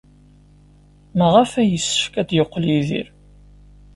Maɣef ay yessefk ad yeqqel Yidir?